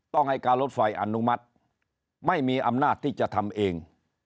ต้องให้การรถไฟอนุมัติไม่มีอำนาจที่จะทำเอง